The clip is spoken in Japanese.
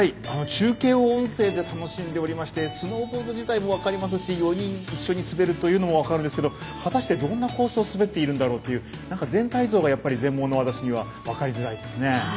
中継を音声で楽しんでおりましてスノーボード自体も分かりますし４人一緒に滑るというのも分かるんですけど果たして、どんなコースを走っているんだろうという全体像が、やっぱり全盲の私には分かりづらいですね。